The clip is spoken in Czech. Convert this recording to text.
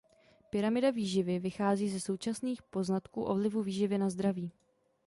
Pyramida výživy vychází ze současných poznatků o vlivu výživy na zdraví.